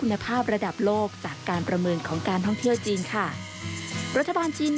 และยกระดับระบบการปฏิหารจัดการต่างให้ดีขึ้น